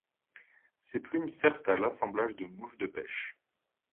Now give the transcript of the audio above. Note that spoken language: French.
Ces plumes servent à l'assemblage de mouches de pêche.